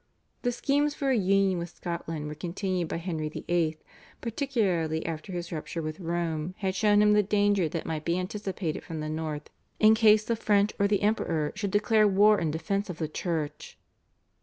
The schemes for a union with Scotland were continued by Henry VIII., particularly after his rupture with Rome had shown him the danger that might be anticipated from the north in case the French or the Emperor should declare war in defence of the Church.